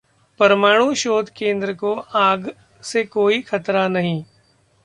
'परमाणु शोध केंद्र को आग से कोई खतरा नहीं'